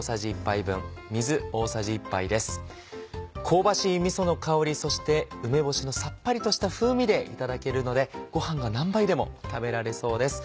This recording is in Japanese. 香ばしいみその香りそして梅干しのさっぱりとした風味でいただけるのでご飯が何杯でも食べられそうです。